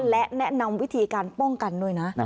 และแนะนำวิธีการป้องกันด้วยนะ